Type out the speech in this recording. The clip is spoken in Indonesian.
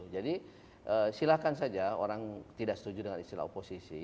jadi silahkan saja orang tidak setuju dengan istilah oposisi